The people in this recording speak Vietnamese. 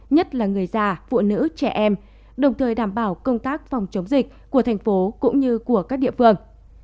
nhất là người già phụ nữ trẻ em đồng thời đảm bảo công tác phòng chống dịch của thành phố cũng như của các địa phương